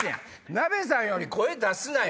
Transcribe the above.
なべさんより声出すなよ！